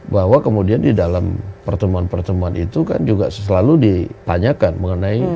bahwa kemudian di dalam pertemuan pertemuan itu kan juga selalu ditanyakan mengenai